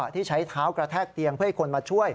ที่ใช้เท้ากระแทกเตียงเพื่อให้คนมาช่วย